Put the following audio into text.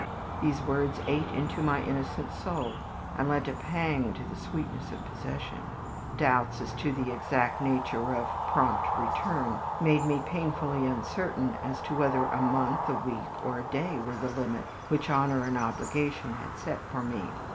These words ate into my innocent soul, and lent a pang to the sweetness of possession. Doubts as to the exact nature of "prompt return" made me painfully uncertain as to whether a month, a week, or a day were the limit which Honour and Obligation had set for me.